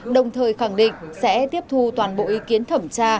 đồng thời khẳng định sẽ tiếp thu toàn bộ ý kiến thẩm tra